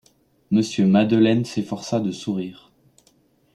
Monsieur Madeleine s’efforça de sourire.